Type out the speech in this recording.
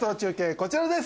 こちらです